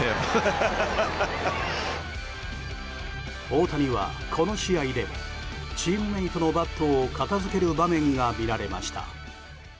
大谷は、この試合でチームメートのバットを片付ける場面が見られました。